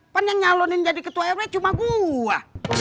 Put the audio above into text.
pan yang nyalonin jadi ketua rw cuma gua